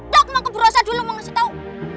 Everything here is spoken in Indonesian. dok mau ke bu rosa dulu mau ngasih tau